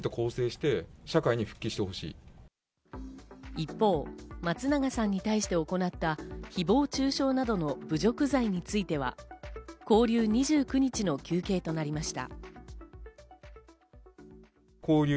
一方、松永さんに対して行ったひぼう中傷などの侮辱罪については、拘留２９日の求刑となりました。